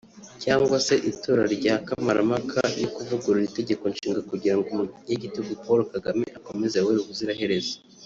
cyangwa se itora rya Kamarampaka yo kuvugurura itegeko nshinga kugira ngo umunyagitugu Paul Kagame akomeze ayobore ubuziraherezo